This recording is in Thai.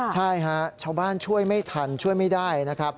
ใช่ชาวบ้านช่วยไม่ทันช่วยไม่ได้